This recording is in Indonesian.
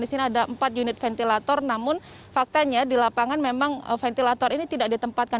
di sini ada empat unit ventilator namun faktanya di lapangan memang ventilator ini tidak ditempatkan